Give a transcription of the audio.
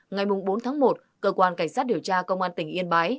ngày bốn tháng một cơ quan cảnh sát điều tra công an tỉnh yên bái